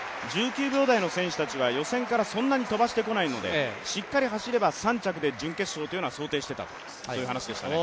１９秒台の選手たちは予選からそんなに飛ばしてこないのでしっかり走れば３着で準決勝というのは想定していたと、そういう話でしたね。